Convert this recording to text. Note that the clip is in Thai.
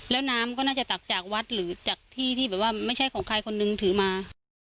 แล้วน้ำก็น่าจะตักจากวัดหรือจากที่ที่แบบว่าไม่ใช่ของใครคนนึงถือมา